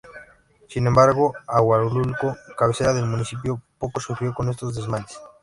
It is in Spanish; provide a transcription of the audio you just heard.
Sin embargo, Ahualulco, cabecera del municipio poco sufrió con estos desmanes.